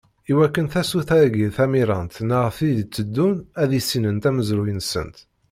I wakken, tasuta-agi tamirant neɣ tid i d-iteddun ad issinent amezruy-nsent.